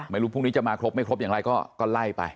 ไม่รู้พรุ่งนี้จะมาครบไม่ครบอย่างไรก็ไล่ไป